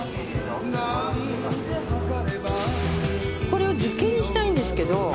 これを漬けにしたいんですけど。